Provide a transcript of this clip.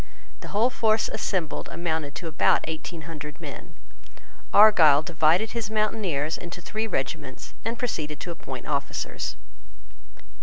The whole force assembled amounted to about eighteen hundred men. Argyle divided his mountaineers into three regiments, and proceeded to appoint officers.